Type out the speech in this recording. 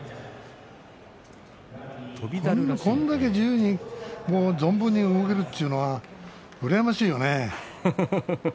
これだけ自由に存分に動けるっていうのは羨ましいよね。